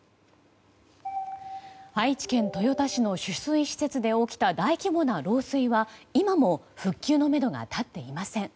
愛知県豊田市の取水施設で起きた大規模な漏水は今も復旧のめどが立っていません。